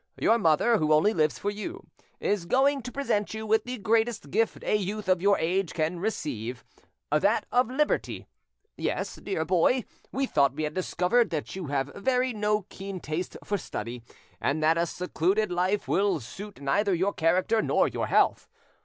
Your mother, who only lives for you, is going to present you with the greatest gift a youth of your age can receive—that of liberty. Yes, dear boy, we thought we had discovered that you have no very keen taste for study, and that a secluded life will suit neither your character nor your health.